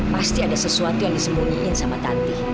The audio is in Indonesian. pasti ada sesuatu yang disembunyiin sama tante